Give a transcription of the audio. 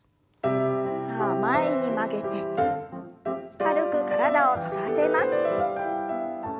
さあ前に曲げて軽く体を反らせます。